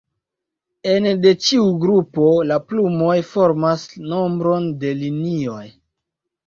Ene de ĉiu grupo, la plumoj formas nombron de linioj.